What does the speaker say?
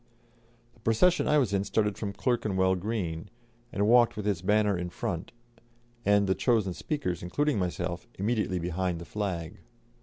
The procession I was in started from Clerkenwell Green, and walked with its banner in front, and the chosen speakers, including myself, immediately behind the flag.